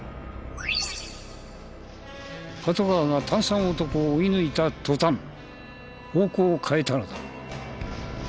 パトカーが炭酸男を追い抜いた途端方向を変えたのだ。